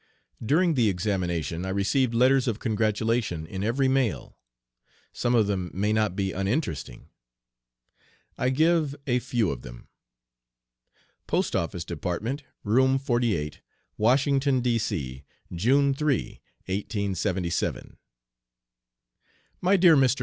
During the examination I received letters of congratulation in every mail. Some of them may not be uninteresting. I give a few of them: POST OFFICE DEPARTMENT, ROOM 48, WASHINGTON, D.C., June 3, 1877. MY DEAR MR.